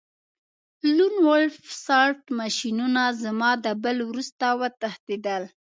لون وولف سلاټ ماشینونه زما د بل وروسته وتښتیدل